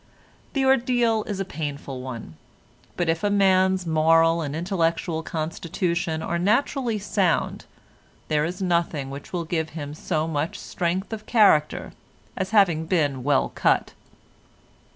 The ordeal is a painful one, but if a man's moral and intellectual constitution are naturally sound, there is nothing which will give him so much strength of character as having been well cut.